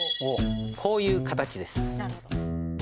こういう形です。